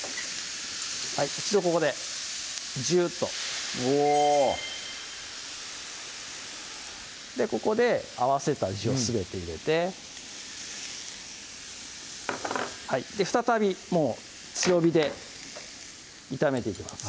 一度ここでジューッとここで合わせた味をすべて入れて再びもう強火で炒めていきます